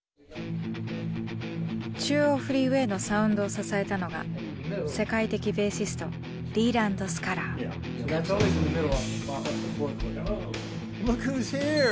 「中央フリーウェイ」のサウンドを支えたのが世界的ベーシストリーランド・スカラー。